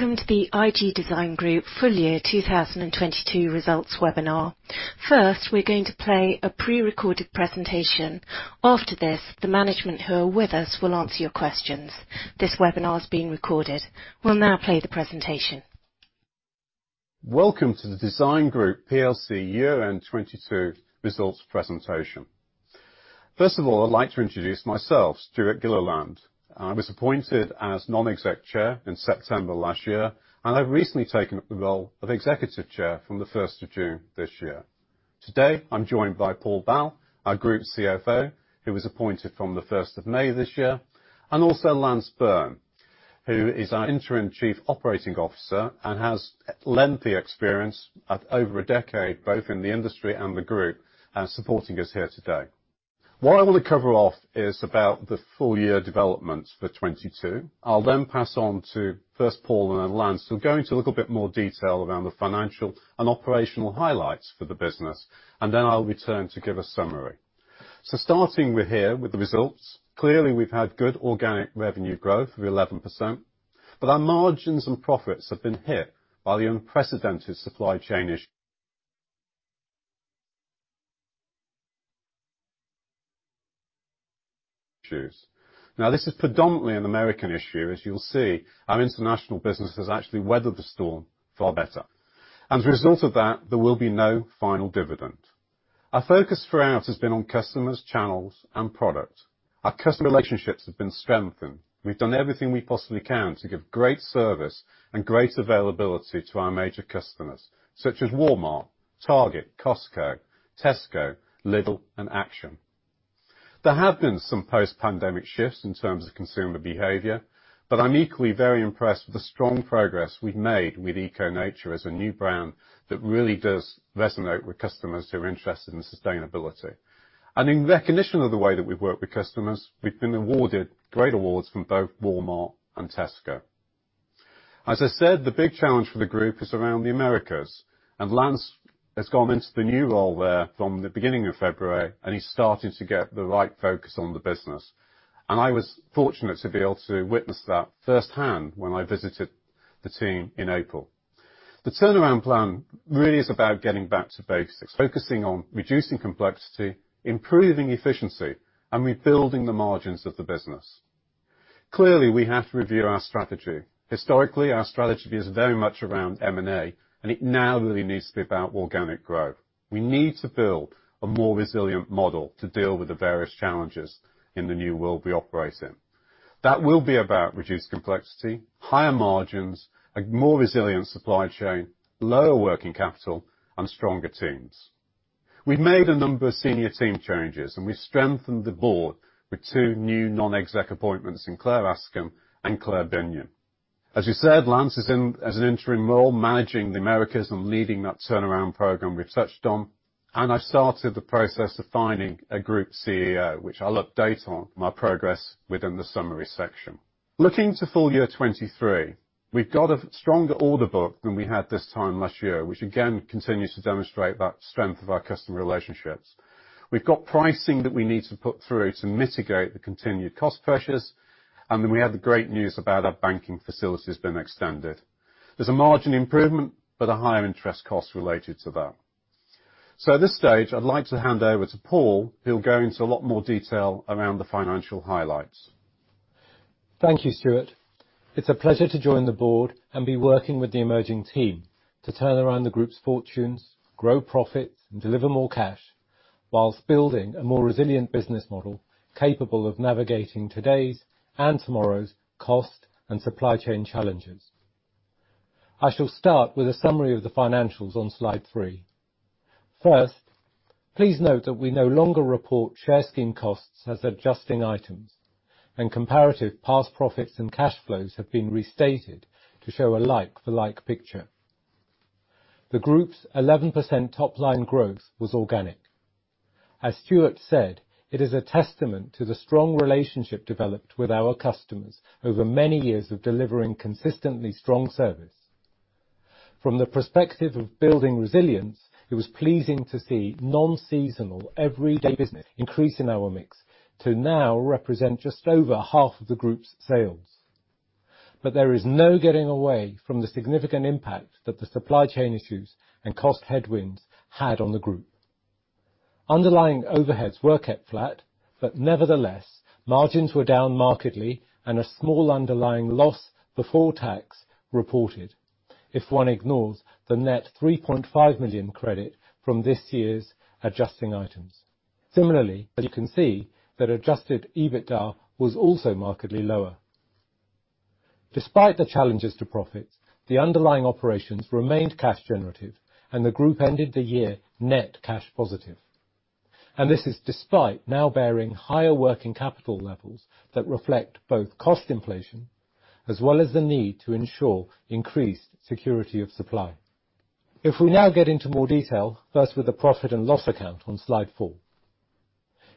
Welcome to the IG Design Group Full Year 2022 Results Webinar. First, we're going to play a pre-recorded presentation. After this, the management who are with us will answer your questions. This webinar is being recorded. We'll now play the presentation. Welcome to the Design Group PLC year-end 2022 results presentation. First of all, I'd like to introduce myself, Stewart Gilliland. I was appointed as non-exec chair in September last year, and I've recently taken up the role of executive chair from the first of June this year. Today, I'm joined by Paul Bal, our group CFO, who was appointed from the first of May this year, and also Lance Burn, who is our interim chief operating officer and has lengthy experience of over a decade, both in the industry and the group, supporting us here today. What I want to cover off is about the full year developments for 2022. I'll then pass on to first Paul and then Lance, who'll go into a little bit more detail around the financial and operational highlights for the business, and then I'll return to give a summary. Starting here with the results, clearly we've had good organic revenue growth of 11%, but our margins and profits have been hit by the unprecedented supply chain issues. Now, this is predominantly an American issue, as you'll see, our international business has actually weathered the storm far better. As a result of that, there will be no final dividend. Our focus throughout has been on customers, channels, and product. Our customer relationships have been strengthened. We've done everything we possibly can to give great service and great availability to our major customers, such as Walmart, Target, Costco, Tesco, Lidl, and Action. There have been some post-pandemic shifts in terms of consumer behavior, but I'm equally very impressed with the strong progress we've made with Eco Nature as a new brand that really does resonate with customers who are interested in sustainability. In recognition of the way that we've worked with customers, we've been awarded great awards from both Walmart and Tesco. As I said, the big challenge for the group is around the Americas, and Lance has gone into the new role there from the beginning of February, and he's starting to get the right focus on the business. I was fortunate to be able to witness that firsthand when I visited the team in April. The turnaround plan really is about getting back to basics, focusing on reducing complexity, improving efficiency, and rebuilding the margins of the business. Clearly, we have to review our strategy. Historically, our strategy is very much around M&A, and it now really needs to be about organic growth. We need to build a more resilient model to deal with the various challenges in the new world we operate in. That will be about reduced complexity, higher margins, a more resilient supply chain, lower working capital, and stronger teams. We've made a number of senior team changes, and we strengthened the board with two new non-executive appointments in Clare Askem and Claire Binyon. As you said, Lance is in as an interim role, managing the Americas and leading that turnaround program we've touched on. I started the process of finding a Group CEO, which I'll update on my progress within the summary section. Looking to full year 2023, we've got a stronger order book than we had this time last year, which again continues to demonstrate that strength of our customer relationships. We've got pricing that we need to put through to mitigate the continued cost pressures, and then we have the great news about our banking facilities being extended. There's a margin improvement, but a higher interest cost related to that. At this stage, I'd like to hand over to Paul, who'll go into a lot more detail around the financial highlights. Thank you, Stewart. It's a pleasure to join the board and be working with the emerging team to turn around the group's fortunes, grow profits, and deliver more cash while building a more resilient business model capable of navigating today's and tomorrow's cost and supply chain challenges. I shall start with a summary of the financials on slide 3. First, please note that we no longer report share scheme costs as adjusting items and comparative past profits and cash flows have been restated to show a like for like picture. The group's 11% top-line growth was organic. As Stewart said, it is a testament to the strong relationship developed with our customers over many years of delivering consistently strong service. From the perspective of building resilience, it was pleasing to see non-seasonal everyday business increase in our mix to now represent just over half of the group's sales. There is no getting away from the significant impact that the supply chain issues and cost headwinds had on the group. Underlying overheads were kept flat, but nevertheless, margins were down markedly and a small underlying loss before tax reported if one ignores the net 3.5 million credit from this year's adjusting items. Similarly, as you can see, that adjusted EBITDA was also markedly lower. Despite the challenges to profits, the underlying operations remained cash generative and the group ended the year net cash positive. This is despite now bearing higher working capital levels that reflect both cost inflation as well as the need to ensure increased security of supply. If we now get into more detail, first with the profit and loss account on slide 4.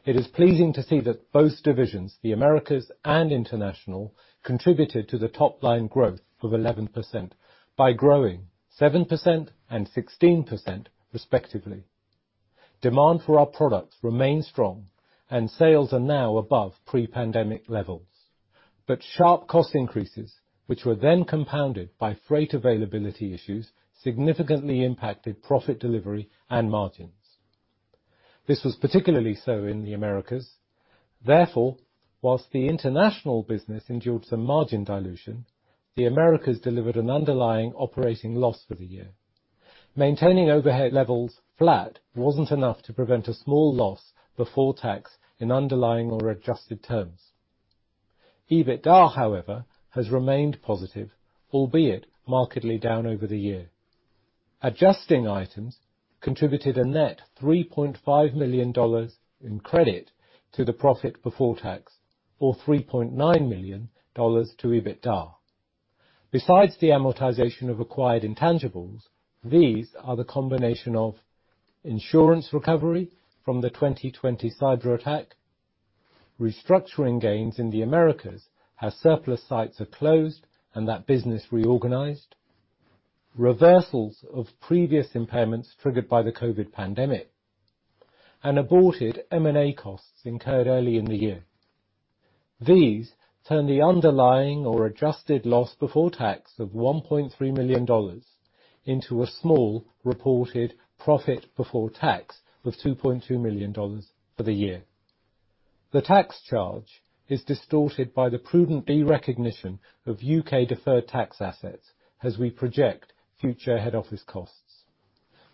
It is pleasing to see that both divisions, the Americas and International, contributed to the top line growth of 11% by growing 7% and 16% respectively. Demand for our products remain strong and sales are now above pre-pandemic levels. Sharp cost increases, which were then compounded by freight availability issues, significantly impacted profit delivery and margins. This was particularly so in the Americas. Therefore, whilst the international business endured some margin dilution, the Americas delivered an underlying operating loss for the year. Maintaining overhead levels flat wasn't enough to prevent a small loss before tax in underlying or adjusted terms. EBITDA, however, has remained positive, albeit markedly down over the year. Adjusting items contributed a net $3.5 million in credit to the profit before tax, or $3.9 million to EBITDA. Besides the amortization of acquired intangibles, these are the combination of insurance recovery from the 2020 cyberattack, restructuring gains in the Americas as surplus sites are closed and that business reorganized, reversals of previous impairments triggered by the COVID pandemic, and aborted M&A costs incurred early in the year. These turn the underlying or adjusted loss before tax of $1.3 million into a small reported profit before tax of $2.2 million for the year. The tax charge is distorted by the prudent derecognition of U.K. deferred tax assets as we project future head office costs.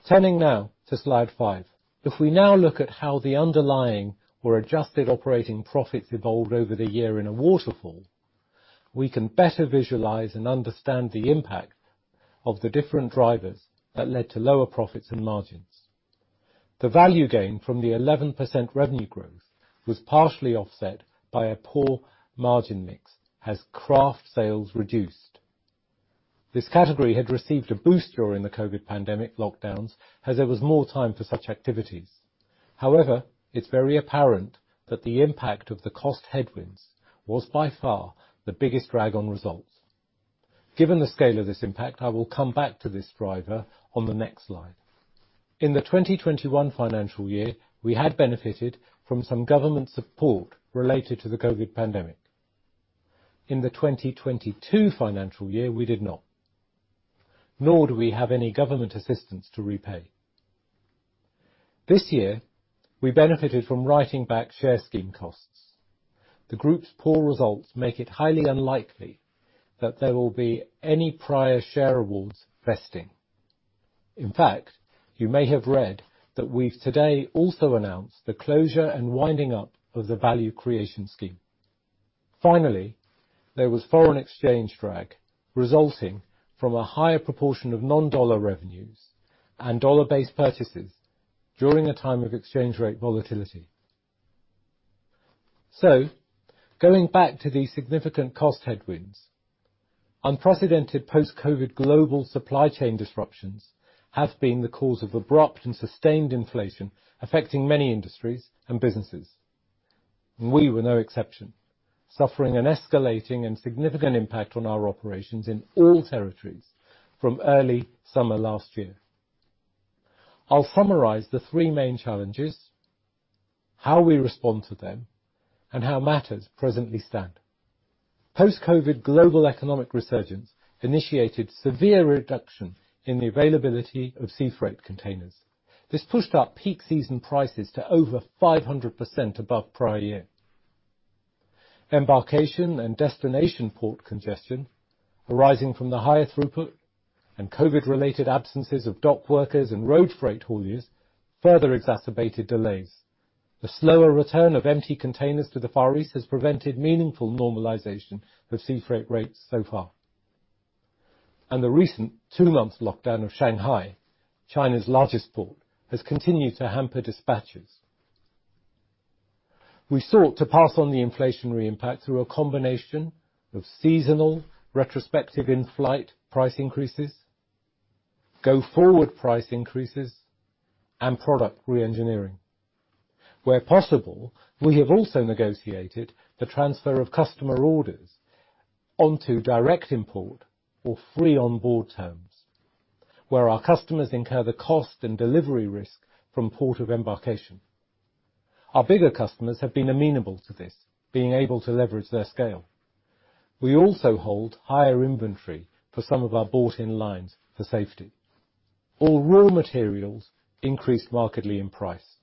Turning now to slide 5. If we now look at how the underlying or adjusted operating profits evolved over the year in a waterfall, we can better visualize and understand the impact of the different drivers that led to lower profits and margins. The value gain from the 11% revenue growth was partially offset by a poor margin mix as craft sales reduced. This category had received a boost during the COVID pandemic lockdowns as there was more time for such activities. However, it's very apparent that the impact of the cost headwinds was by far the biggest drag on results. Given the scale of this impact, I will come back to this driver on the next slide. In the 2021 financial year, we had benefited from some government support related to the COVID pandemic. In the 2022 financial year, we did not, nor do we have any government assistance to repay. This year, we benefited from writing back share scheme costs. The group's poor results make it highly unlikely that there will be any prior share awards vesting. In fact, you may have read that we've today also announced the closure and winding up of the Value Creation Scheme. Finally, there was foreign exchange drag resulting from a higher proportion of non-dollar revenues and dollar-based purchases during a time of exchange rate volatility. Going back to the significant cost headwinds, unprecedented post-COVID global supply chain disruptions have been the cause of abrupt and sustained inflation affecting many industries and businesses. We were no exception, suffering an escalating and significant impact on our operations in all territories from early summer last year. I'll summarize the three main challenges, how we respond to them, and how matters presently stand. Post-COVID global economic resurgence initiated severe reduction in the availability of sea freight containers. This pushed up peak season prices to over 500% above prior year. Embarkation and destination port congestion arising from the higher throughput and COVID-related absences of dock workers and road freight haulers further exacerbated delays. The slower return of empty containers to the Far East has prevented meaningful normalization of sea freight rates so far. The recent two-month lockdown of Shanghai, China's largest port, has continued to hamper dispatches. We sought to pass on the inflationary impact through a combination of seasonal retrospective in-flight price increases, go-forward price increases, and product re-engineering. Where possible, we have also negotiated the transfer of customer orders onto direct import or free on board terms, where our customers incur the cost and delivery risk from port of embarkation. Our bigger customers have been amenable to this, being able to leverage their scale. We also hold higher inventory for some of our bought-in lines for safety. All raw materials increased markedly in price.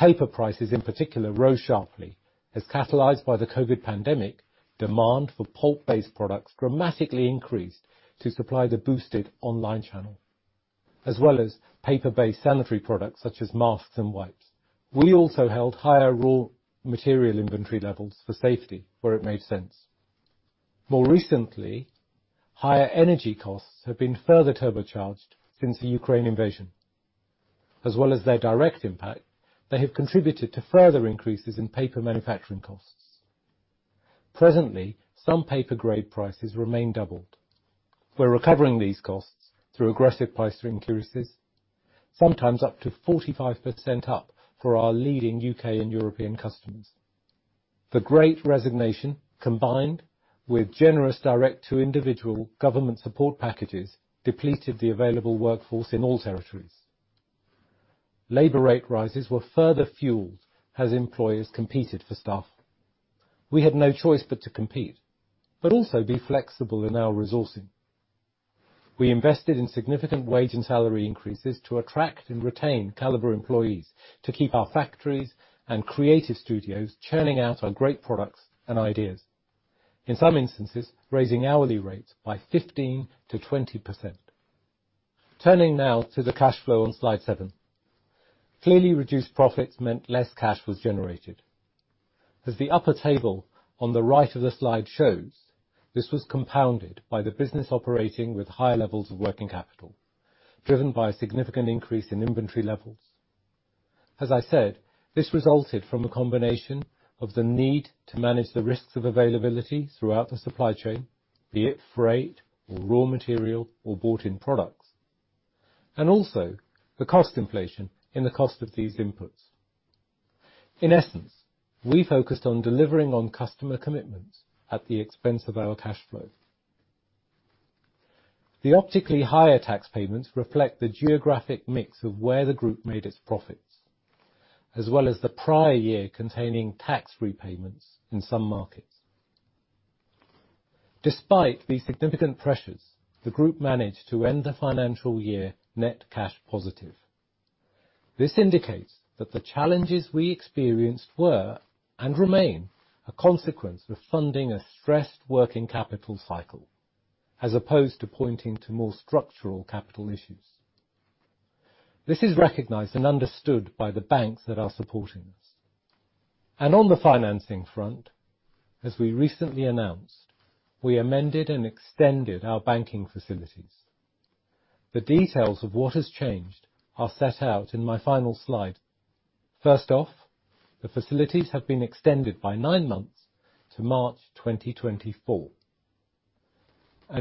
Paper prices in particular rose sharply as, catalyzed by the COVID pandemic, demand for pulp-based products dramatically increased to supply the boosted online channel, as well as paper-based sanitary products such as masks and wipes. We also held higher raw material inventory levels for safety where it made sense. More recently, higher energy costs have been further turbocharged since the Ukraine invasion. As well as their direct impact, they have contributed to further increases in paper manufacturing costs. Presently, some paper grade prices remain doubled. We're recovering these costs through aggressive price increases, sometimes up to 45% up for our leading U.K. and European customers. The great resignation, combined with generous direct-to-individual government support packages, depleted the available workforce in all territories. Labor rate rises were further fueled as employers competed for staff. We had no choice but to compete, but also be flexible in our resourcing. We invested in significant wage and salary increases to attract and retain caliber employees to keep our factories and creative studios churning out our great products and ideas. In some instances, raising hourly rates by 15%-20%. Turning now to the cash flow on slide 7. Clearly reduced profits meant less cash was generated. As the upper table on the right of the slide shows, this was compounded by the business operating with higher levels of working capital, driven by a significant increase in inventory levels. As I said, this resulted from a combination of the need to manage the risks of availability throughout the supply chain, be it freight or raw material or bought-in products, and also the cost inflation in the cost of these inputs. In essence, we focused on delivering on customer commitments at the expense of our cash flow. The optically higher tax payments reflect the geographic mix of where the group made its profits, as well as the prior year containing tax repayments in some markets. Despite these significant pressures, the group managed to end the financial year net cash positive. This indicates that the challenges we experienced were and remain a consequence of funding a stressed working capital cycle, as opposed to pointing to more structural capital issues. This is recognized and understood by the banks that are supporting us. On the financing front, as we recently announced, we amended and extended our banking facilities. The details of what has changed are set out in my final slide. First off, the facilities have been extended by nine months to March 2024.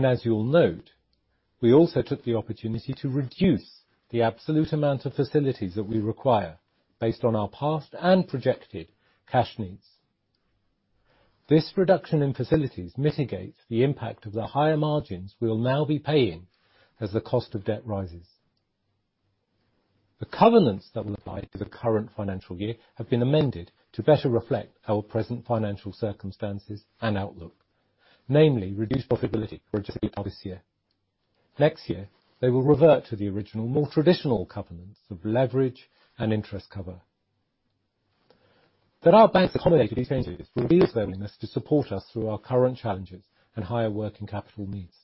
As you'll note, we also took the opportunity to reduce the absolute amount of facilities that we require based on our past and projected cash needs. This reduction in facilities mitigates the impact of the higher margins we will now be paying as the cost of debt rises. The covenants that will apply to the current financial year have been amended to better reflect our present financial circumstances and outlook, namely reduced profitability for this year. Next year, they will revert to the original more traditional covenants of leverage and interest cover. That our banks accommodated these changes reveals their willingness to support us through our current challenges and higher working capital needs.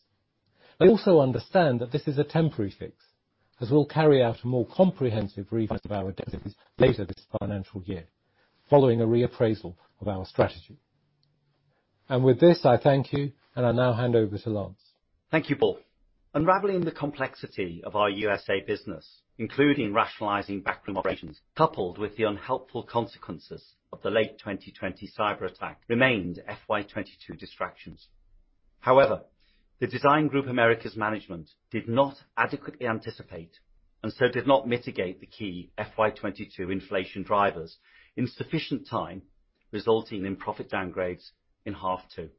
They also understand that this is a temporary fix as we'll carry out a more comprehensive revision of our debt later this financial year, following a reappraisal of our strategy. With this, I thank you, and I now hand over to Lance. Thank you, Paul. Unraveling the complexity of our USA business, including rationalizing background operations, coupled with the unhelpful consequences of the late 2020 cyber attack, remained FY 2022 distractions. However, the Design Group Americas management did not adequately anticipate, and so did not mitigate the key FY 2022 inflation drivers in sufficient time, resulting in profit downgrades in H2.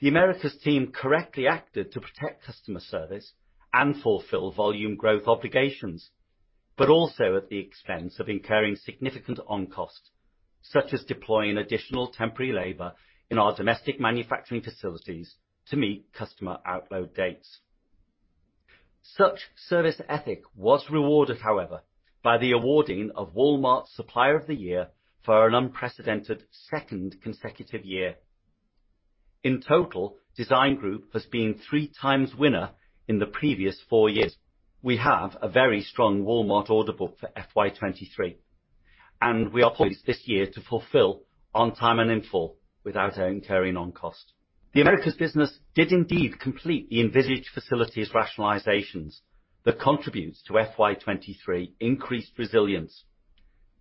The Americas team correctly acted to protect customer service and fulfill volume growth obligations, but also at the expense of incurring significant on-cost, such as deploying additional temporary labor in our domestic manufacturing facilities to meet customer outload dates. Such service ethic was rewarded, however, by the awarding of Walmart Supplier of the Year for an unprecedented second consecutive year. In total, Design Group has been three times winner in the previous four years. We have a very strong Walmart order book for FY 2023, and we are poised this year to fulfill on time and in full without incurring on cost. The Americas business did indeed complete the envisaged facilities rationalizations that contributes to FY 2023 increased resilience,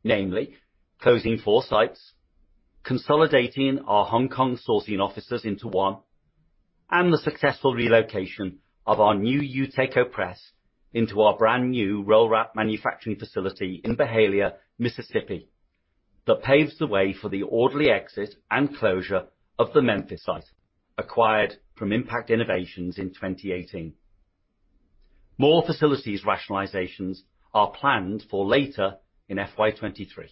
namely closing 4 sites, consolidating our Hong Kong sourcing offices into one, and the successful relocation of our new Uteco press into our brand new Roll Wrap manufacturing facility in Byhalia, Mississippi, that paves the way for the orderly exit and closure of the Memphis site acquired from Impact Innovations in 2018. More facilities rationalizations are planned for later in FY 2023.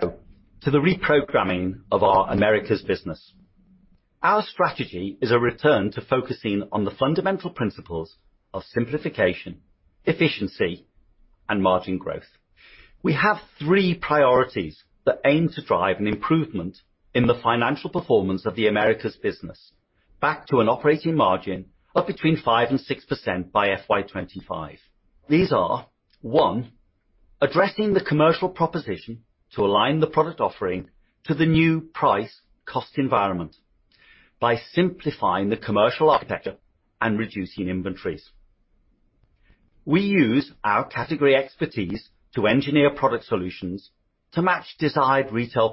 To the reprogramming of our Americas business. Our strategy is a return to focusing on the fundamental principles of simplification, efficiency, and margin growth. We have three priorities that aim to drive an improvement in the financial performance of the Americas business back to an operating margin of between 5%-6% by FY 2025. These are, one, addressing the commercial proposition to align the product offering to the new price cost environment by simplifying the commercial architecture and reducing inventories. We use our category expertise to engineer product solutions to match desired retail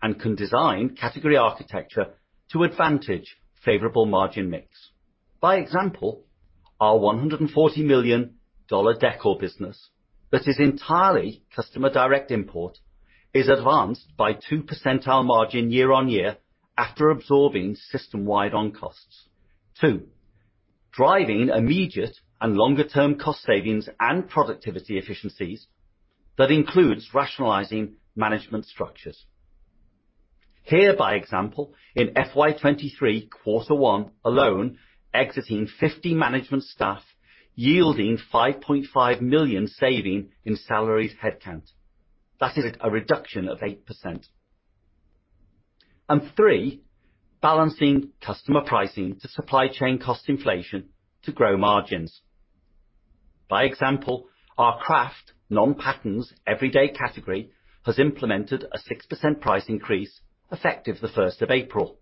pricing. We can design category architecture to advantage favorable margin mix. By example, our $140 million decor business that is entirely customer direct import is advanced by 2% margin year-on-year after absorbing system-wide on costs. Two, driving immediate and longer-term cost savings and productivity efficiencies that includes rationalizing management structures. Here, by example, in FY 2023 quarter one alone, exiting 50 management staff yielding $5.5 million saving in salaries headcount. That is a reduction of 8%. Three, balancing customer pricing to supply chain cost inflation to grow margins. By example, our Craft & Creative Play everyday category has implemented a 6% price increase effective the first of April,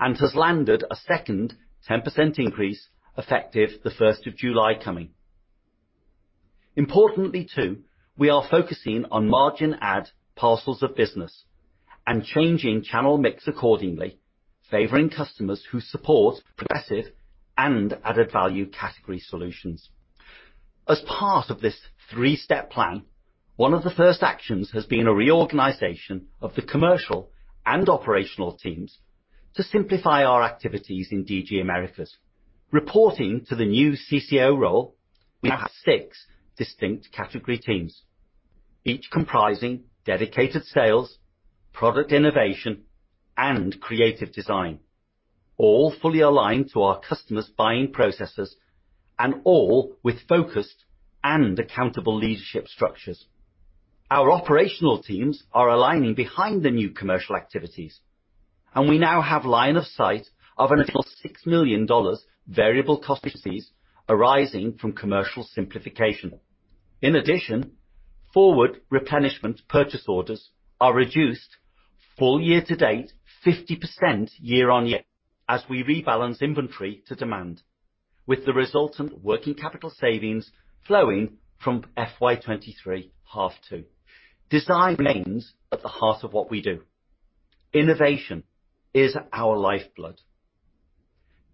and has landed a second 10% increase effective the first of July coming. Importantly too, we are focusing on margin-accretive parcels of business and changing channel mix accordingly, favoring customers who support progressive and added value category solutions. As part of this three-step plan, one of the first actions has been a reorganization of the commercial and operational teams to simplify our activities in DG Americas. Reporting to the new CCO role, we have six distinct category teams, each comprising dedicated sales, product innovation, and creative design, all fully aligned to our customers' buying processes and all with focused and accountable leadership structures. Our operational teams are aligning behind the new commercial activities, and we now have line of sight of an additional $6 million variable cost efficiencies arising from commercial simplification. In addition, forward replenishment purchase orders are reduced full year to date, 50% year-on-year as we rebalance inventory to demand with the resultant working capital savings flowing from FY 2023, H2. Design remains at the heart of what we do. Innovation is our lifeblood.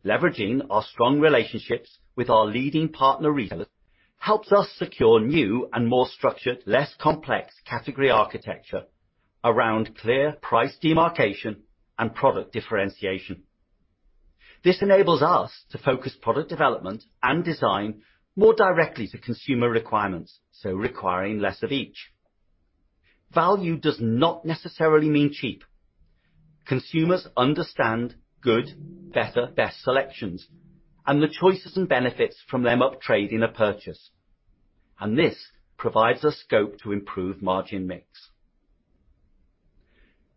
Leveraging our strong relationships with our leading partner retailers helps us secure new and more structured, less complex category architecture around clear price demarcation and product differentiation. This enables us to focus product development and design more directly to consumer requirements, so requiring less of each. Value does not necessarily mean cheap. Consumers understand good, better, best selections and the choices and benefits from them up trade in a purchase. This provides us scope to improve margin mix.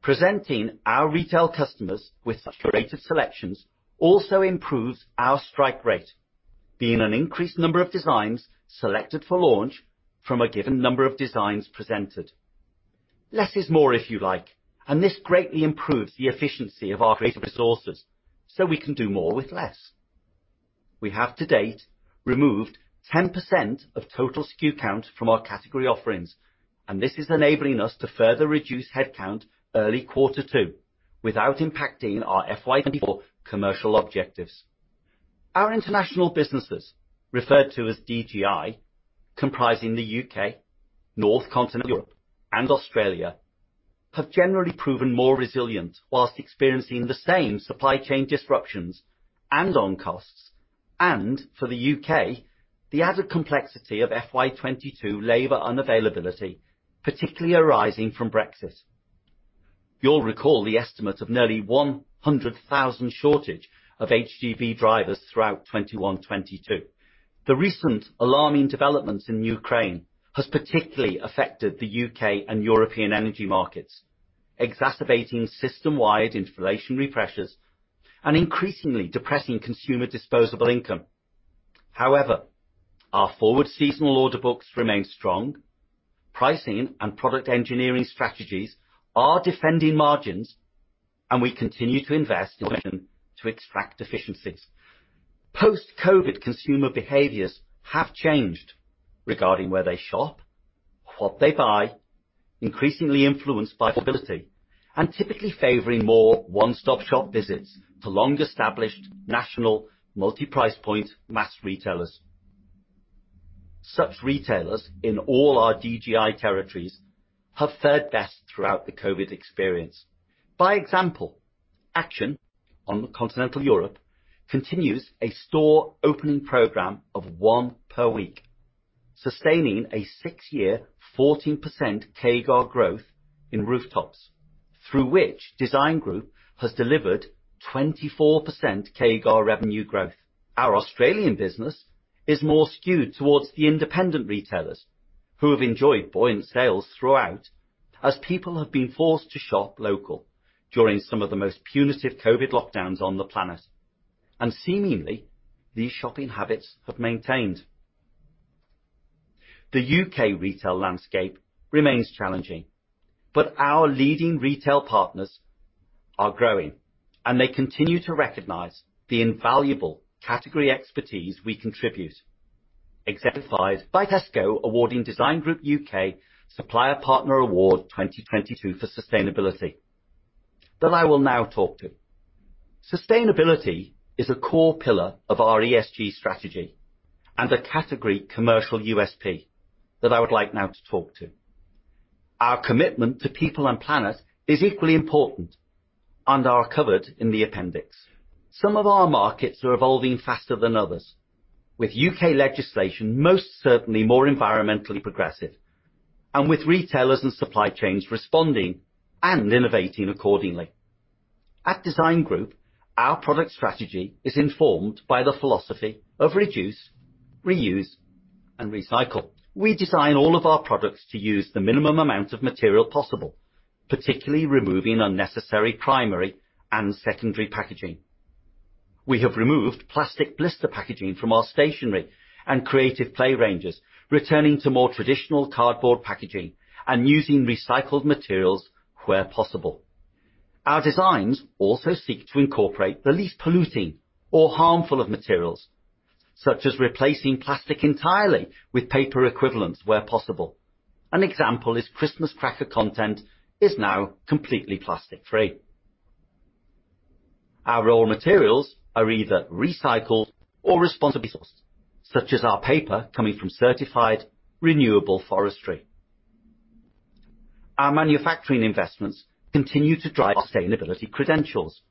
Presenting our retail customers with such curated selections also improves our strike rate, being an increased number of designs selected for launch from a given number of designs presented. Less is more, if you like, and this greatly improves the efficiency of our creative resources, so we can do more with less. We have to date removed 10% of total SKU count from our category offerings, and this is enabling us to further reduce headcount early quarter 2 without impacting our FY 2024 commercial objectives. Our international businesses, referred to as DG International, comprising the U.K., North Continental Europe and Australia, have generally proven more resilient while experiencing the same supply chain disruptions and on costs. For the U.K., the added complexity of FY 2022 labor unavailability, particularly arising from Brexit. You'll recall the estimate of nearly 100,000 shortage of HGV drivers throughout 2021, 2022. The recent alarming developments in Ukraine have particularly affected the U.K. and European energy markets, exacerbating system-wide inflationary pressures and increasingly depressing consumer disposable income. However, our forward seasonal order books remain strong. Pricing and product engineering strategies are defending margins, and we continue to invest in to extract efficiencies. Post-COVID, consumer behaviors have changed regarding where they shop, what they buy, increasingly influenced by affordability, and typically favoring more one-stop-shop visits to long-established national multi-price point mass retailers. Such retailers in all our DGI territories have fared best throughout the COVID experience. By example, Action on continental Europe continues a store opening program of one per week, sustaining a six year, 14% CAGR growth in rooftops, through which Design Group has delivered 24% CAGR revenue growth. Our Australian business is more skewed towards the independent retailers who have enjoyed buoyant sales throughout as people have been forced to shop local during some of the most punitive COVID lockdowns on the planet. Seemingly, these shopping habits have maintained. The U.K. retail landscape remains challenging, but our leading retail partners are growing, and they continue to recognize the invaluable category expertise we contribute, exemplified by Tesco awarding Design Group U.K. the Tesco Supplier Partner Award 2022 for sustainability. I will now talk to sustainability. Sustainability is a core pillar of our ESG strategy and a category commercial U.S.P that I would like now to talk to. Our commitment to people and planet is equally important and are covered in the appendix. Some of our markets are evolving faster than others. With U.K. legislation most certainly more environmentally progressive, and with retailers and supply chains responding and innovating accordingly. At IG Design Group, our product strategy is informed by the philosophy of reduce, reuse, and recycle. We design all of our products to use the minimum amount of material possible, particularly removing unnecessary primary and secondary packaging. We have removed plastic blister packaging from our stationery and creative play ranges, returning to more traditional cardboard packaging and using recycled materials where possible. Our designs also seek to incorporate the least polluting or harmful of materials, such as replacing plastic entirely with paper equivalents where possible. An example is Christmas cracker content is now completely plastic-free. Our raw materials are either recycled or responsibly sourced, such as our paper coming from certified renewable forestry. Our manufacturing investments continue to drive sustainability credentials.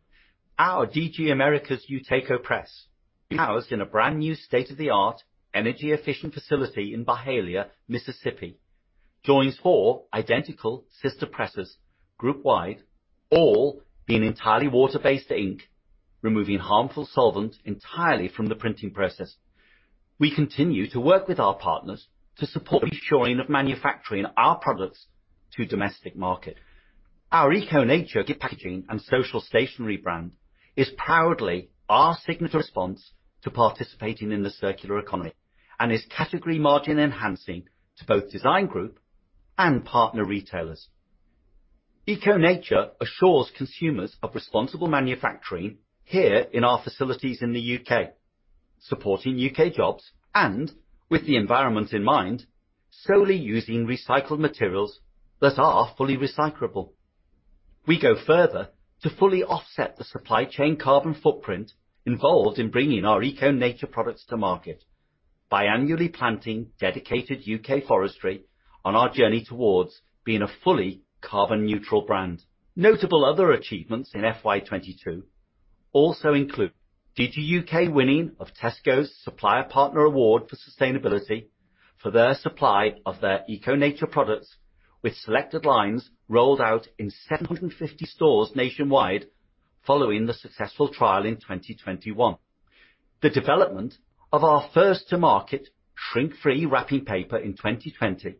Our DG Americas Uteco Press, housed in a brand-new state-of-the-art energy-efficient facility in Byhalia, Mississippi, joins four identical sister presses group-wide, all being entirely water-based ink, removing harmful solvent entirely from the printing process. We continue to work with our partners to support the ensuring of manufacturing our products to domestic market. Our Eco Nature packaging and social stationery brand is proudly our signature response to participating in the circular economy and is category margin-enhancing to both Design Group and partner retailers. Eco Nature assures consumers of responsible manufacturing here in our facilities in the U.K., supporting U.K. jobs and with the environment in mind, solely using recycled materials that are fully recyclable. We go further to fully offset the supply chain carbon footprint involved in bringing our Eco Nature products to market by annually planting dedicated U.K. forestry on our journey towards being a fully carbon-neutral brand. Notable other achievements in FY 2022 also include DG U.K. winning of Tesco's Supplier Partner Award for Sustainability for their supply of their Eco Nature products with selected lines rolled out in 750 stores nationwide following the successful trial in 2021. The development of our first to market shrink-free wrapping paper in 2020,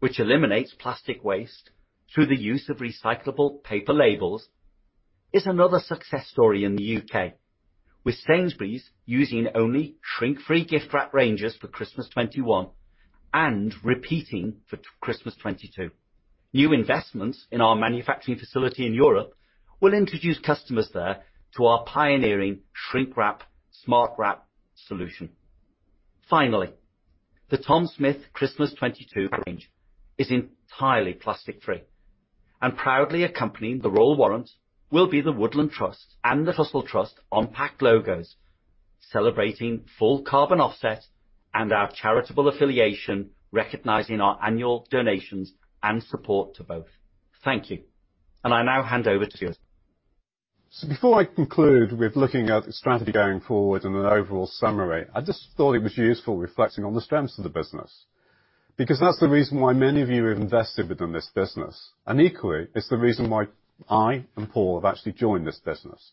which eliminates plastic waste through the use of recyclable paper labels, is another success story in the U.K., with Sainsbury's using only shrink-free gift wrap ranges for Christmas 2021 and repeating for Christmas 2022. New investments in our manufacturing facility in Europe will introduce customers there to our pioneering shrink wrap, SMARTWRAP solution. Finally, the Tom Smith Christmas 2022 range is entirely plastic-free and proudly accompanying the Royal Warrant will be the Woodland Trust and the Trussell Trust on pack logos, celebrating full carbon offset and our charitable affiliation, recognizing our annual donations and support to both. Thank you. I now hand over to you. Before I conclude with looking at the strategy going forward and an overall summary, I just thought it was useful reflecting on the strengths of the business, because that's the reason why many of you have invested within this business. Equally, it's the reason why I and Paul have actually joined this business.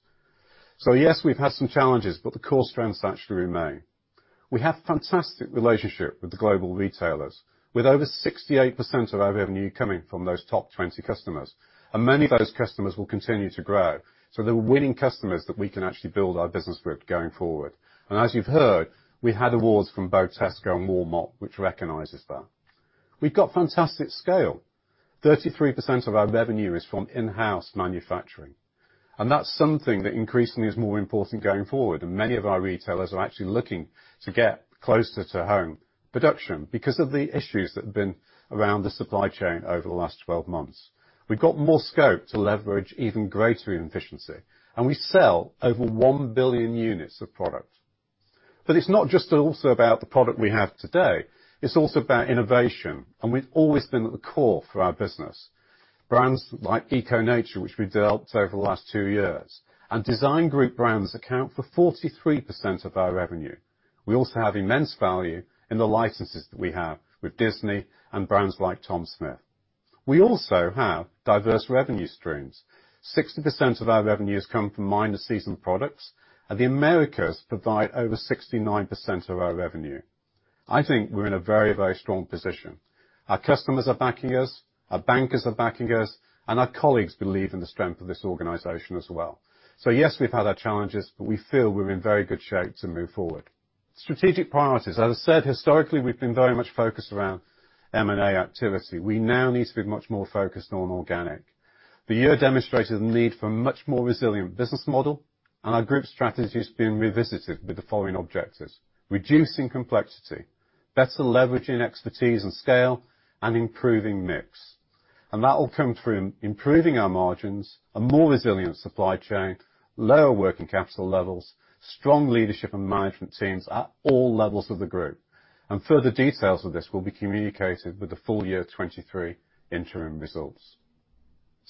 Yes, we've had some challenges, but the core strengths actually remain. We have fantastic relationship with the global retailers, with over 68% of our revenue coming from those top 20 customers, and many of those customers will continue to grow. They're winning customers that we can actually build our business with going forward. As you've heard, we had awards from both Tesco and Walmart, which recognizes that. We've got fantastic scale. 33% of our revenue is from in-house manufacturing, and that's something that increasingly is more important going forward, and many of our retailers are actually looking to get closer to home production because of the issues that have been around the supply chain over the last 12 months. We've got more scope to leverage even greater efficiency, and we sell over 1 billion units of product. It's not just also about the product we have today, it's also about innovation, and we've always been at the core for our business. Brands like Eco Nature, which we developed over the last two years, and Design Group brands account for 43% of our revenue. We also have immense value in the licenses that we have with Disney and brands like Tom Smith. We also have diverse revenue streams. 60% of our revenues come from minor season products, and the Americas provide over 69% of our revenue. I think we're in a very, very strong position. Our customers are backing us, our bankers are backing us, and our colleagues believe in the strength of this organization as well. Yes, we've had our challenges, but we feel we're in very good shape to move forward. Strategic priorities. As I said, historically, we've been very much focused around M&A activity. We now need to be much more focused on organic. The year demonstrated the need for much more resilient business model, and our group strategy is being revisited with the following objectives, reducing complexity, better leveraging expertise and scale, and improving mix. That will come through improving our margins, a more resilient supply chain, lower working capital levels, strong leadership and management teams at all levels of the group. Further details of this will be communicated with the full year 2023 interim results.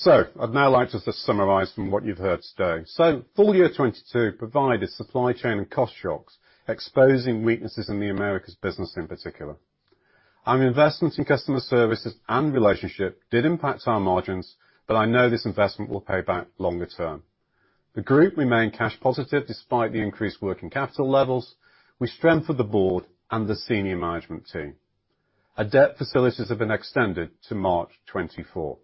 I'd now like to just summarize from what you've heard today. Full year 2022 provided supply chain and cost shocks, exposing weaknesses in the Americas business in particular. Our investment in customer services and relationship did impact our margins, but I know this investment will pay back longer term. The group remained cash positive despite the increased working capital levels. We strengthened the board and the senior management team. Our debt facilities have been extended to March 2024.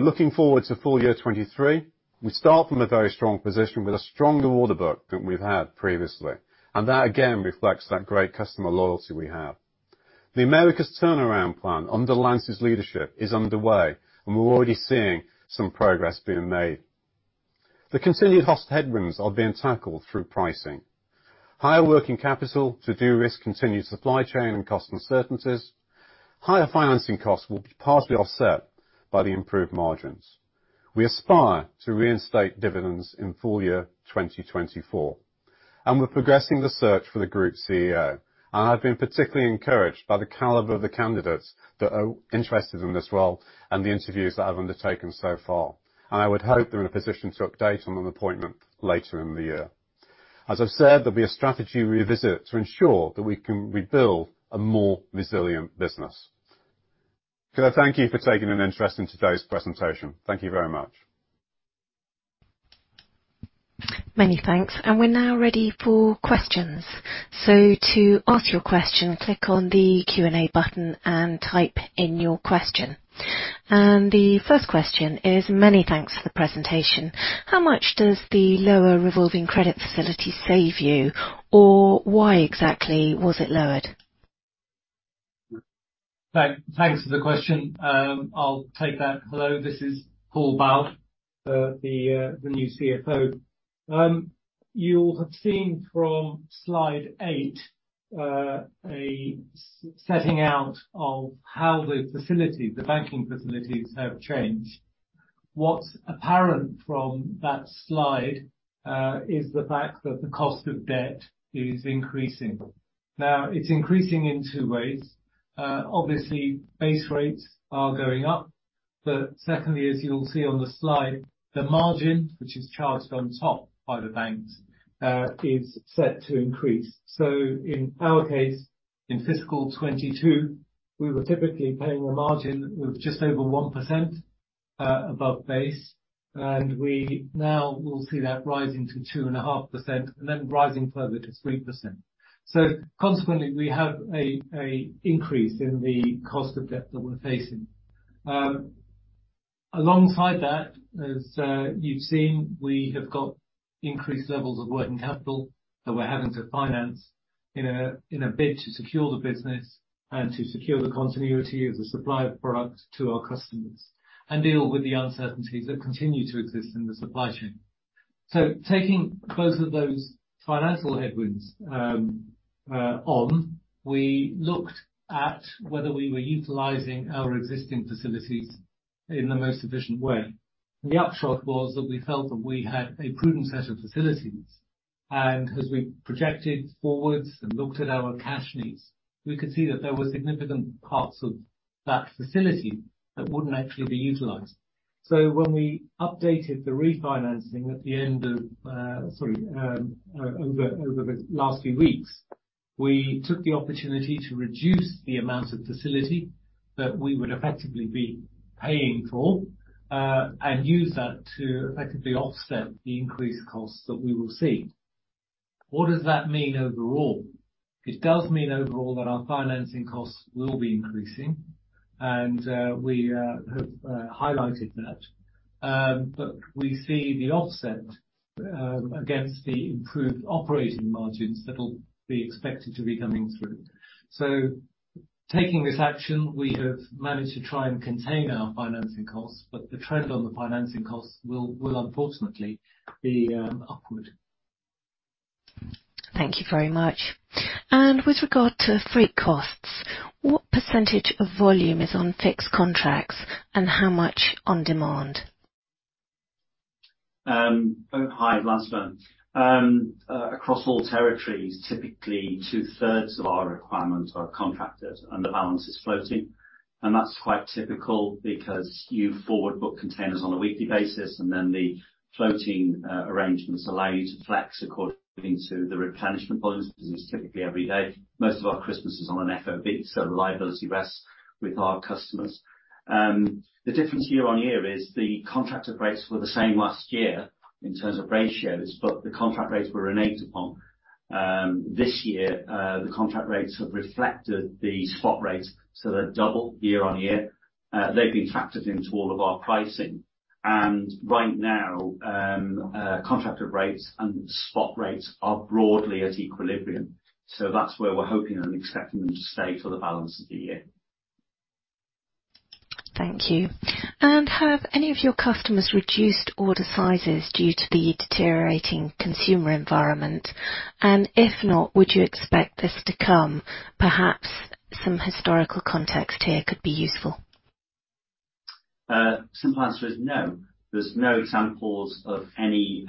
Looking forward to full year 2023, we start from a very strong position with a stronger order book than we've had previously, and that again reflects that great customer loyalty we have. The Americas turnaround plan under Lance's leadership is underway, and we're already seeing some progress being made. The continued hostile headwinds are being tackled through pricing. Higher working capital to de-risk continued supply chain and cost uncertainties. Higher financing costs will be partly offset by the improved margins. We aspire to reinstate dividends in full year 2024, and we're progressing the search for the group CEO. I've been particularly encouraged by the caliber of the candidates that are interested in this role and the interviews that I've undertaken so far. I would hope they're in a position to update on an appointment later in the year. As I've said, there'll be a strategy revisit to ensure that we can rebuild a more resilient business. Can I thank you for taking an interest in today's presentation? Thank you very much. Many thanks. We're now ready for questions. To ask your question, click on the Q&A button and type in your question. The first question is, many thanks for the presentation. How much does the lower revolving credit facility save you? Or why exactly was it lowered? Thanks for the question. I'll take that. Hello, this is Paul Bal, the new CFO. You'll have seen from slide 8, a setting out of how the banking facilities have changed. What's apparent from that slide is the fact that the cost of debt is increasing. Now, it's increasing in two ways. Obviously, base rates are going up, but secondly, as you'll see on the slide, the margin which is charged on top by the banks is set to increase. In our case, in fiscal 2022, we were typically paying a margin of just over 1% above base, and we now will see that rising to 2.5% and then rising further to 3%. Consequently, we have an increase in the cost of debt that we're facing. Alongside that, as you've seen, we have got increased levels of working capital that we're having to finance in a bid to secure the business and to secure the continuity of the supply of product to our customers and deal with the uncertainties that continue to exist in the supply chain. Taking both of those financial headwinds, we looked at whether we were utilizing our existing facilities in the most efficient way. The upshot was that we felt that we had a prudent set of facilities. As we projected forward and looked at our cash needs, we could see that there were significant parts of that facility that wouldn't actually be utilized. When we updated the refinancing over the last few weeks, we took the opportunity to reduce the amount of facility that we would effectively be paying for and use that to effectively offset the increased costs that we will see. What does that mean overall? It does mean overall that our financing costs will be increasing and we have highlighted that. We see the offset against the improved operating margins that'll be expected to be coming through. Taking this action, we have managed to try and contain our financing costs, but the trend on the financing costs will unfortunately be upward. Thank you very much. With regard to freight costs, what percentage of volume is on fixed contracts and how much on demand? Hi, Lance Burn. Across all territories, typically two-thirds of our requirements are contracted and the balance is floating. That's quite typical because you forward book containers on a weekly basis, and then the floating arrangements allow you to flex according to the replenishment volumes, typically every day. Most of our Christmas is on an FOB, so the liability rests with our customers. The difference year-on-year is the contracted rates were the same last year in terms of ratios, but the contract rates were reneged upon. This year, the contract rates have reflected the spot rates, so they're double year-on-year. They've been factored into all of our pricing. Right now, contracted rates and spot rates are broadly at equilibrium. That's where we're hoping and expecting them to stay for the balance of the year. Thank you. Have any of your customers reduced order sizes due to the deteriorating consumer environment? If not, would you expect this to come? Perhaps some historical context here could be useful. Simple answer is no. There's no examples of any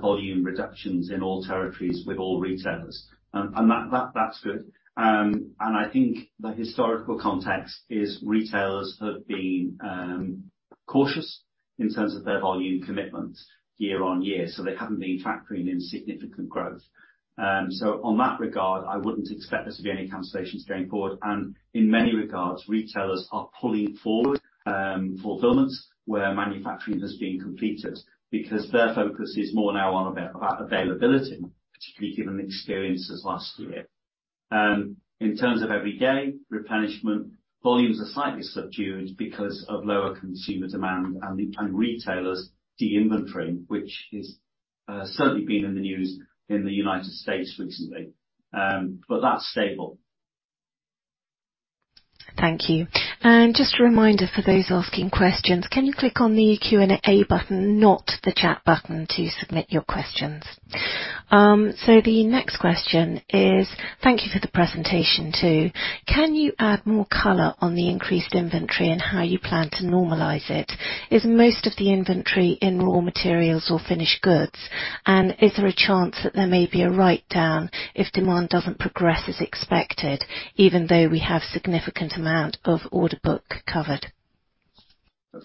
volume reductions in all territories with all retailers. That, that's good. I think the historical context is retailers have been cautious in terms of their volume commitments year on year, so they haven't been factoring in significant growth. On that regard, I wouldn't expect there to be any cancellations going forward, and in many regards, retailers are pulling forward fulfillments where manufacturing has been completed because their focus is more now on availability, particularly given the experiences last year. In terms of everyday replenishment, volumes are slightly subdued because of lower consumer demand and retailers de-inventorying, which has certainly been in the news in the United States recently. That's stable. Thank you. Just a reminder for those asking questions, can you click on the Q&A button, not the chat button, to submit your questions. The next question is, thank you for the presentation, too. Can you add more color on the increased inventory and how you plan to normalize it? Is most of the inventory in raw materials or finished goods? And is there a chance that there may be a write-down if demand doesn't progress as expected, even though we have significant amount of order book covered?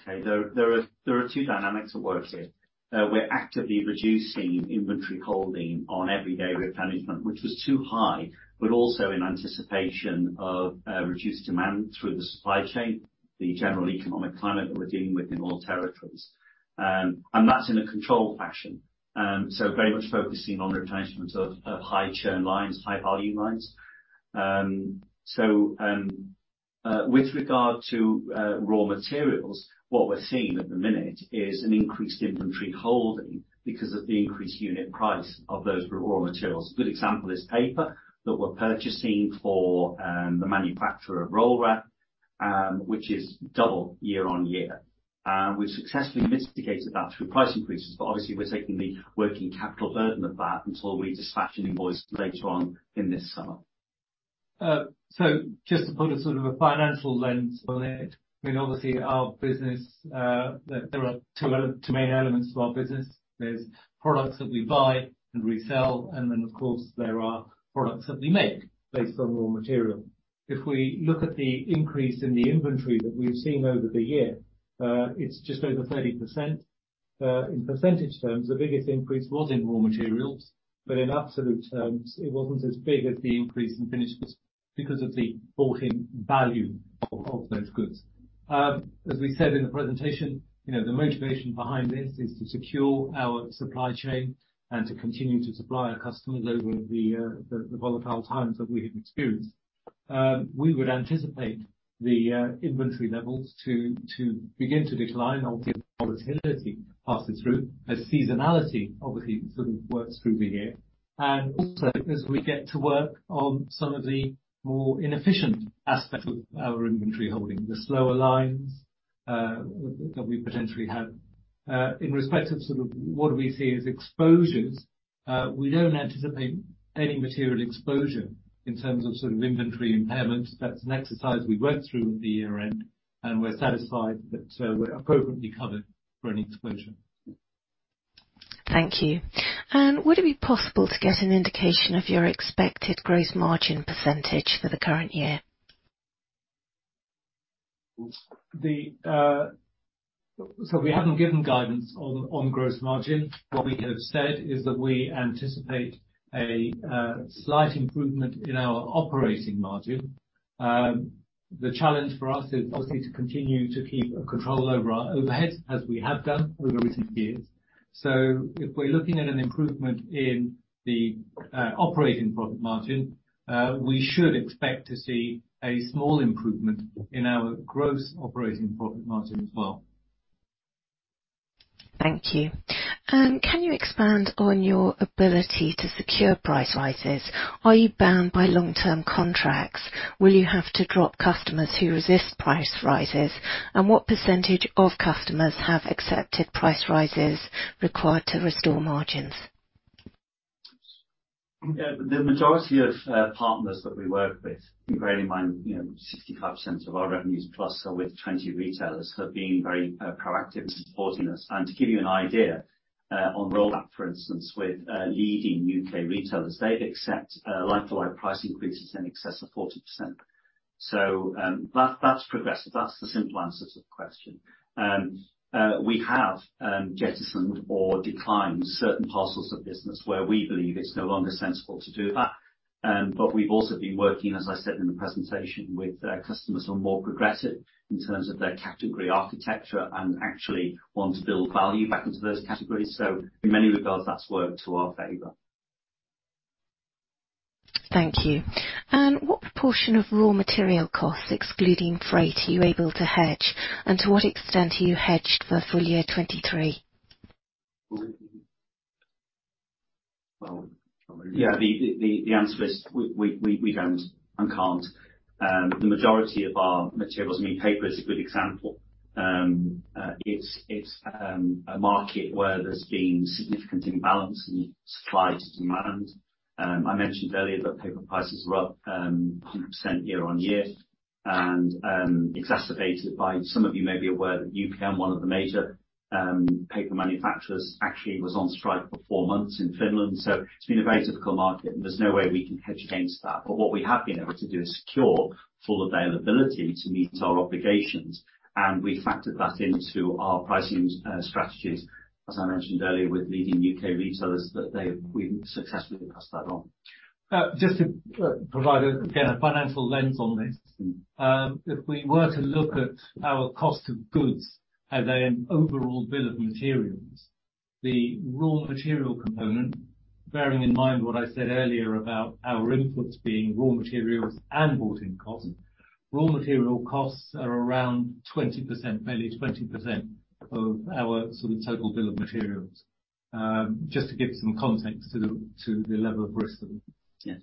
There are two dynamics at work here. We're actively reducing inventory holding on everyday replenishment, which was too high, but also in anticipation of reduced demand through the supply chain, the general economic climate that we're dealing with in all territories. That's in a controlled fashion. Very much focusing on replenishment of high churn lines, high volume lines. With regard to raw materials, what we're seeing at the minute is an increased inventory holding because of the increased unit price of those raw materials. A good example is paper that we're purchasing for the manufacture of Roll Wrap, which is double year on year. We've successfully mitigated that through price increases, but obviously we're taking the working capital burden of that until we dispatch an invoice later on in this summer. Just to put a sort of a financial lens on it, I mean, obviously our business, there are two main elements to our business. There's products that we buy and resell, and then, of course, there are products that we make based on raw material. If we look at the increase in the inventory that we've seen over the year, it's just over 30%. In percentage terms, the biggest increase was in raw materials, but in absolute terms, it wasn't as big as the increase in finished goods because of the bought-in value of those goods. As we said in the presentation, you know, the motivation behind this is to secure our supply chain and to continue to supply our customers over the volatile times that we have experienced. We would anticipate the inventory levels to begin to decline obviously as volatility passes through, as seasonality obviously sort of works through the year. Also as we get to work on some of the more inefficient aspects of our inventory holding, the slower lines that we potentially have. In respect of sort of what we see as exposures, we don't anticipate any material exposure in terms of sort of inventory impairment. That's an exercise we went through at the year-end, and we're satisfied that we're appropriately covered for any exposure. Thank you. Would it be possible to get an indication of your expected gross margin percentage for the current year? We haven't given guidance on gross margin. What we have said is that we anticipate a slight improvement in our operating margin. The challenge for us is obviously to continue to keep a control over our overheads as we have done over recent years. If we're looking at an improvement in the operating profit margin, we should expect to see a small improvement in our gross operating profit margin as well. Thank you. Can you expand on your ability to secure price rises? Are you bound by long-term contracts? Will you have to drop customers who resist price rises? What percentage of customers have accepted price rises required to restore margins? The majority of partners that we work with, bearing in mind, you know, 65% of our revenues plus are with 20 retailers, have been very proactive in supporting us. To give you an idea, on Roll Wrap, for instance, with leading U.K. retailers, they've accepted, like for like, price increases in excess of 40%. That's progressive. That's the simple answer to the question. We have jettisoned or declined certain parcels of business where we believe it's no longer sensible to do that. We've also been working, as I said in the presentation, with customers who are more progressive in terms of their category architecture and actually want to build value back into those categories. In many regards, that's worked to our favor. Thank you. What proportion of raw material costs, excluding freight, are you able to hedge? To what extent are you hedged for full year 2023? Well, yeah, the answer is we don't and can't. The majority of our materials, I mean, paper is a good example. It's a market where there's been significant imbalance in supply to demand. I mentioned earlier that paper prices are up 100% year-over-year and exacerbated by some of you may be aware that in the U.K., one of the major paper manufacturers actually was on strike for four months in Finland. It's been a very difficult market, and there's no way we can hedge against that. What we have been able to do is secure full availability to meet our obligations, and we factored that into our pricing strategies, as I mentioned earlier with leading U.K. retailers. We successfully passed that on. Just to provide again a financial lens on this. If we were to look at our cost of goods as an overall bill of materials, the raw material component, bearing in mind what I said earlier about our inputs being raw materials and bought-in costs, raw material costs are around 20%, nearly 20% of our sort of total bill of materials. Just to give some context to the level of risk then. Yes.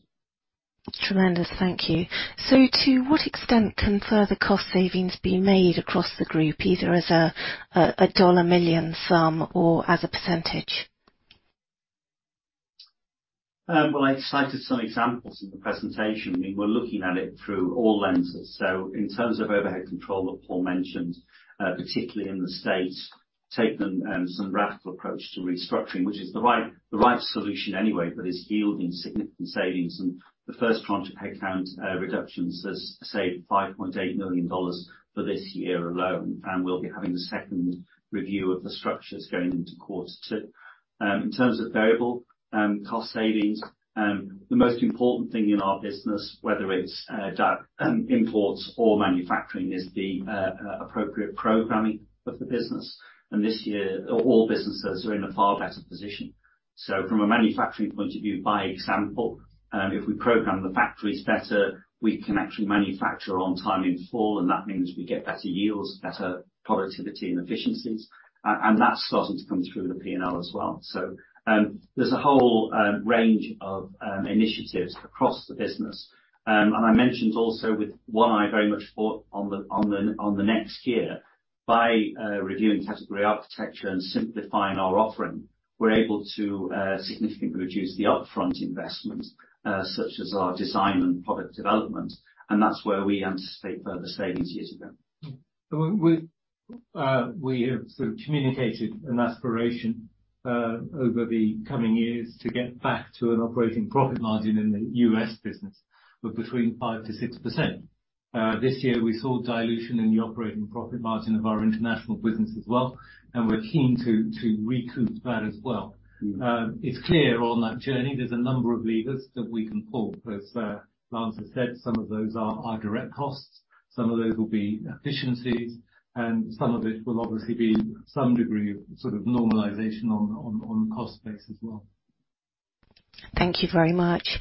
Tremendous. Thank you. To what extent can further cost savings be made across the group, either as a $1 million sum or as a percentage? Well, I cited some examples in the presentation. I mean, we're looking at it through all lenses. In terms of overhead control that Paul mentioned, particularly in the States, we've taken some radical approach to restructuring, which is the right solution anyway, but it's yielding significant savings. The first tranche of headcount reductions has saved $5.8 million for this year alone. We'll be having the second review of the structures going into quarter two. In terms of variable cost savings, the most important thing in our business, whether it's direct imports or manufacturing, is the appropriate programming of the business. This year, all businesses are in a far better position. From a manufacturing point of view, for example, if we program the factories better, we can actually manufacture on time in full, and that means we get better yields, better productivity and efficiencies. That's starting to come through the P&L as well. There's a whole range of initiatives across the business. I mentioned also with one I very much bought into the next year. By reviewing category architecture and simplifying our offering, we're able to significantly reduce the upfront investment, such as our design and product development, and that's where we anticipate further savings in the years ahead. We have sort of communicated an aspiration over the coming years to get back to an operating profit margin in the U.S. business of between 5%-6%. This year we saw dilution in the operating profit margin of our international business as well, and we're keen to recoup that as well. It's clear on that journey there's a number of levers that we can pull. As Lance has said, some of those are our direct costs, some of those will be efficiencies, and some of it will obviously be some degree of sort of normalization on cost base as well. Thank you very much.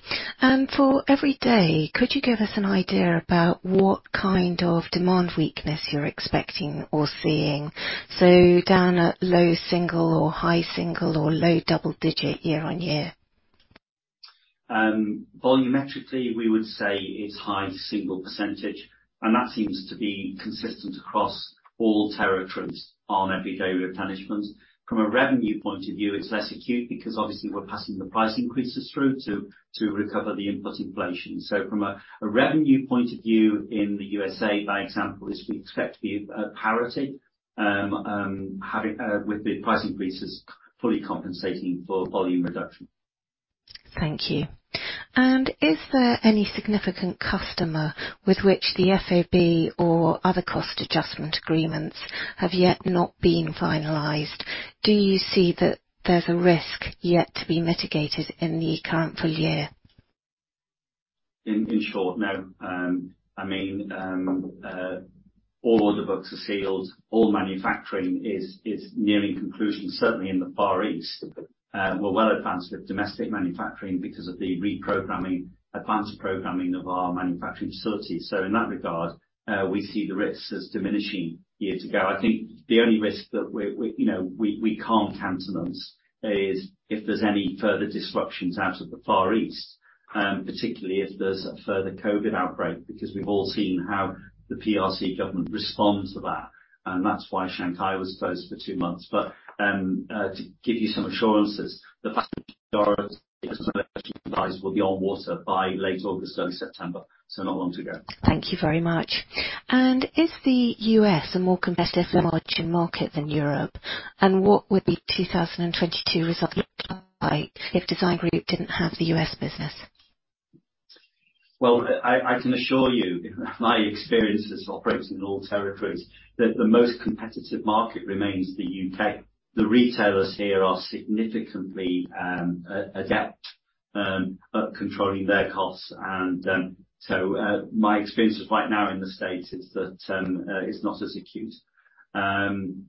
For every day, could you give us an idea about what kind of demand weakness you're expecting or seeing? Down at low single or high single or low double digit year-on-year. Volumetrically, we would say it's high single-digit percentage, and that seems to be consistent across all territories on everyday replenishment. From a revenue point of view, it's less acute because obviously we're passing the price increases through to recover the input inflation. From a revenue point of view in the USA, for example, this we expect to be parity, having with the price increases fully compensating for volume reduction. Thank you. Is there any significant customer with which the FOB or other cost adjustment agreements have yet not been finalized? Do you see that there's a risk yet to be mitigated in the current full year? In short, no. I mean, all order books are sealed. All manufacturing is nearing conclusion, certainly in the Far East. We're well advanced with domestic manufacturing because of the reprogramming, advanced programming of our manufacturing facilities. In that regard, we see the risks as diminishing year to go. I think the only risk that we're, you know, we can't countenance is if there's any further disruptions out of the Far East, particularly if there's a further COVID outbreak, because we've all seen how the PRC government responds to that, and that's why Shanghai was closed for two months. To give you some assurances, the fact that will be on water by late August, early September, so not long to go. Thank you very much. Is the U.S. a more competitive margin market than Europe? What would the 2022 result look like if Design Group didn't have the U.S. business? Well, I can assure you, my experience has operates in all territories, that the most competitive market remains the U.K.. The retailers here are significantly adept at controlling their costs. My experience right now in the States is that it's not as acute. Paul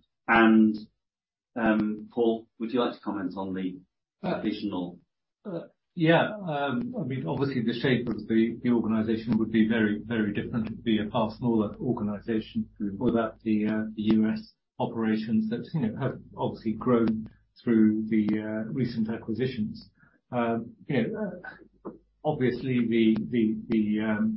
Bal, would you like to comment on the- Uh -additional? I mean, obviously the shape of the organization would be very, very different. It would be a far smaller organization. Mm-hmm Without the U.S. operations that, you know, have obviously grown through the recent acquisitions. You know, obviously, the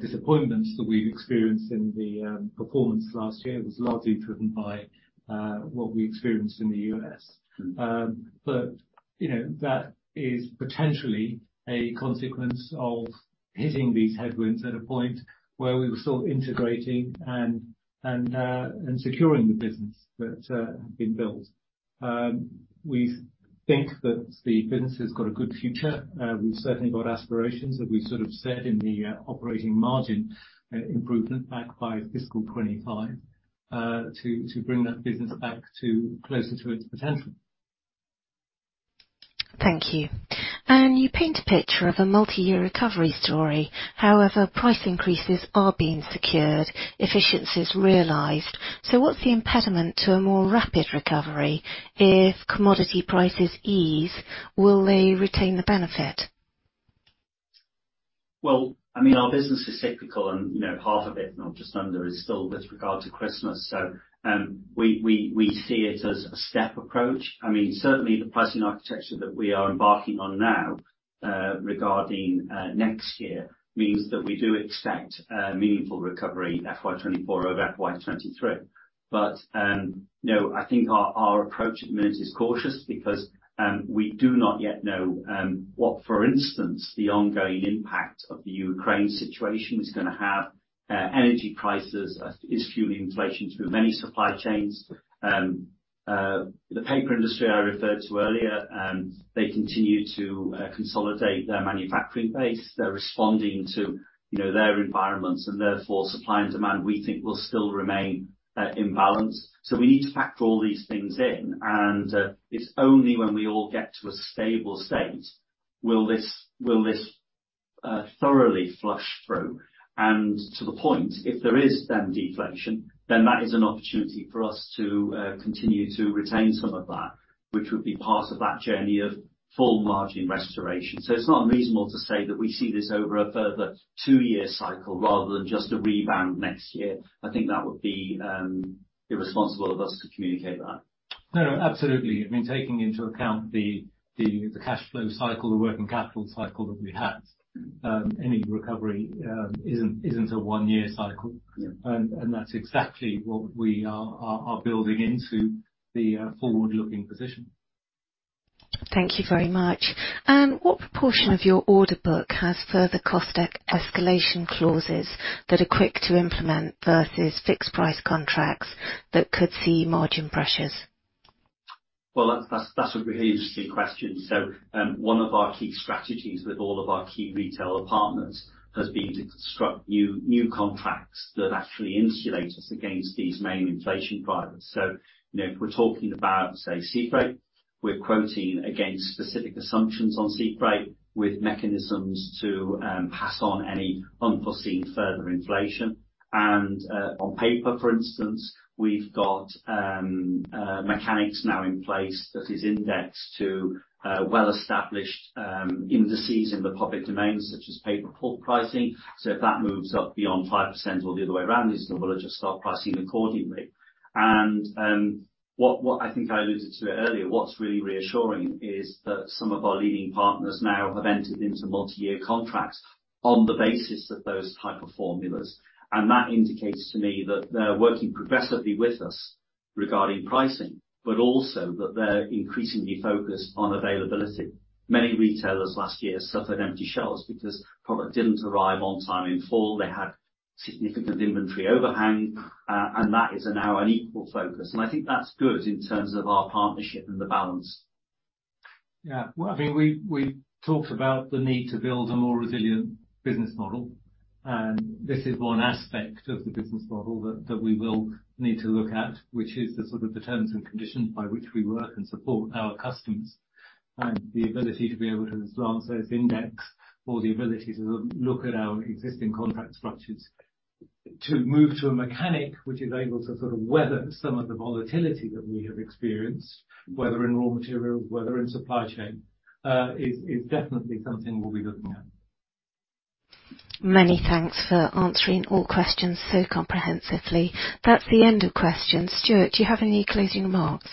disappointments that we've experienced in the performance last year was largely driven by what we experienced in the U.S. Mm-hmm. You know, that is potentially a consequence of hitting these headwinds at a point where we were sort of integrating and securing the business that had been built. We think that the business has got a good future. We've certainly got aspirations that we sort of set in the operating margin improvement back by fiscal 2025 to bring that business back to closer to its potential. Thank you. You paint a picture of a multi-year recovery story. However, price increases are being secured, efficiencies realized, so what's the impediment to a more rapid recovery if commodity prices ease? Will they retain the benefit? Well, I mean, our business is cyclical and, you know, half of it, or just under, is still with regard to Christmas, so we see it as a step approach. I mean, certainly the pricing architecture that we are embarking on now, regarding next year means that we do expect a meaningful recovery FY 2024 over FY 2023. You know, I think our approach at the minute is cautious because we do not yet know what for instance, the ongoing impact of the Ukraine situation is gonna have. Energy prices is fueling inflation through many supply chains. The paper industry I referred to earlier, they continue to consolidate their manufacturing base. They're responding to, you know, their environments, and therefore, supply and demand we think will still remain imbalanced. We need to factor all these things in, and it's only when we all get to a stable state will this thoroughly flush through. To the point, if there is then deflation, then that is an opportunity for us to continue to retain some of that, which would be part of that journey of full margin restoration. It's not reasonable to say that we see this over a further two-year cycle rather than just a rebound next year. I think that would be irresponsible of us to communicate that. No, absolutely. I mean, taking into account the cash flow cycle, the working capital cycle that we had. Mm-hmm Any recovery isn't a one-year cycle. Yeah. That's exactly what we are building into the forward-looking position. Thank you very much. What proportion of your order book has further cost escalation clauses that are quick to implement versus fixed price contracts that could see margin pressures? Well, that's a really interesting question. One of our key strategies with all of our key retail partners has been to construct new contracts that actually insulate us against these main inflation drivers. You know, if we're talking about, say, sea freight, we're quoting against specific assumptions on sea freight with mechanisms to pass on any unforeseen further inflation. On paper, for instance, we've got mechanics now in place that is indexed to well-established indices in the public domain, such as [paper pulp] pricing. If that moves up beyond 5% or the other way around, then we'll adjust our pricing accordingly. What I think I alluded to earlier, what's really reassuring is that some of our leading partners now have entered into multi-year contracts on the basis of those type of formulas. That indicates to me that they're working progressively with us regarding pricing, but also that they're increasingly focused on availability. Many retailers last year suffered empty shelves because product didn't arrive on time in full. They had significant inventory overhang, and that is now an equal focus and I think that's good in terms of our partnership and the balance. Yeah. Well, I think we talked about the need to build a more resilient business model, and this is one aspect of the business model that we will need to look at, which is the sort of the terms and conditions by which we work and support our customers. The ability to be able to, as Lance says, index or the ability to look at our existing contract structures to move to a mechanism which is able to sort of weather some of the volatility that we have experienced, whether in raw materials, whether in supply chain, is definitely something we'll be looking at. Many thanks for answering all questions so comprehensively. That's the end of questions. Stewart, do you have any closing remarks?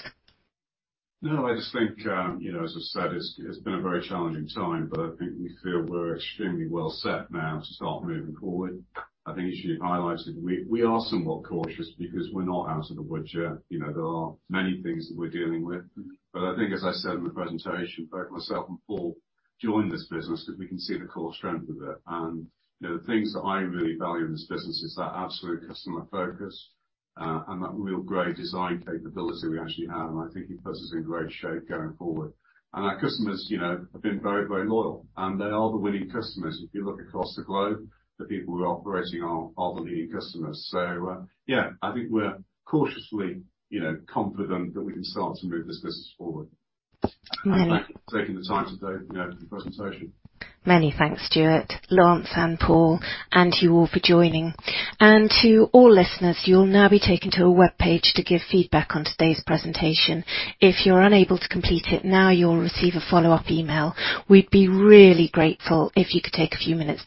No, I just think, you know, as I said, it's been a very challenging time, but I think we feel we're extremely well set now to start moving forward. I think as you highlighted, we are somewhat cautious because we're not out of the woods yet. You know, there are many things that we're dealing with. Mm-hmm. I think as I said in the presentation, both myself and Paul joined this business because we can see the core strength of it. You know, the things that I really value in this business is that absolute customer focus, and that real great design capability we actually have, and I think it puts us in great shape going forward. Our customers, you know, have been very, very loyal, and they are the winning customers. If you look across the globe, the people who are operating are the leading customers. Yeah, I think we're cautiously, you know, confident that we can start to move this business forward. Many- Thank you for taking the time today, you know, for the presentation. Many thanks, Stewart, Lance Burn and Paul Bal, and to you all for joining. To all listeners, you'll now be taken to a webpage to give feedback on today's presentation. If you're unable to complete it now, you'll receive a follow-up email. We'd be really grateful if you could take a few minutes.